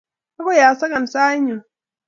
agoi asakan sait nyu.